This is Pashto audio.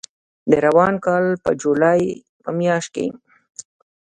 د روان کال په جولای په میاشت کې